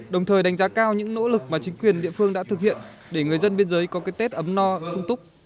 đồng thời đánh giá cao những nỗ lực mà chính quyền địa phương đã thực hiện để người dân biên giới có cái tết ấm no sung túc